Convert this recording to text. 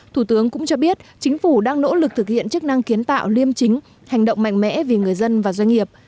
thủ tướng cũng cho biết chính phủ đang nỗ lực thực hiện chức năng kiến tạo liêm chính hành động mạnh mẽ vì người dân và doanh nghiệp